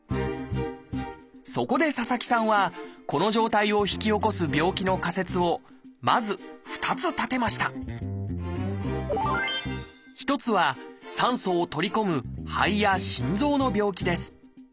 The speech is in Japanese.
そこで佐々木さんはこの状態を引き起こす病気の仮説をまず２つ立てました一つは酸素を取り込む肺や心臓の病気です。